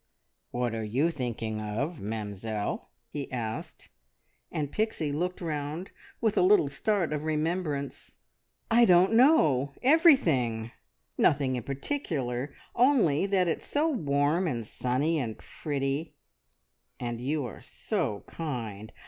"What are you thinking of, Mamzelle?" he asked; and Pixie looked round with a little start of remembrance. "I don't know. Everything. Nothing in particular, only that it's so warm and sunny and pretty; and you are so kind.